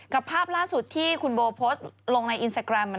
ภาพล่าสุดที่คุณโบโพสต์ลงในอินสตาแกรม